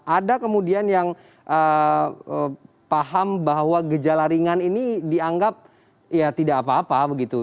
ada kemudian yang paham bahwa gejala ringan ini dianggap ya tidak apa apa begitu